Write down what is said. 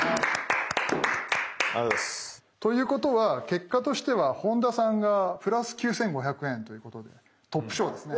ということは結果としては本田さんがプラス９，５００円ということでトップ賞ですね。